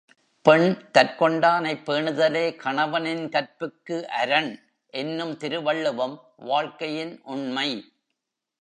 பெண், தற்கொண்டானைப் பேணுதலே கணவனின் கற்புக்கு அரண் என்னும் திருவள்ளுவம் வாழ்க்கையின் உண்மை.